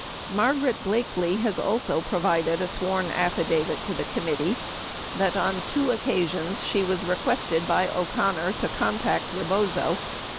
26 Margaret Blakely has also provided a sworn affidavit to the com mittee that on two occasions she was requested by O'Connor to contact Rebozo.